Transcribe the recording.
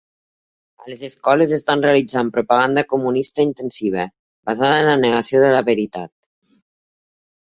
A les escoles estan realitzant propaganda comunista intensiva, basada en la negació de la veritat.